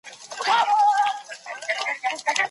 پاک چاپېريال د کور فضا صحتمندوي.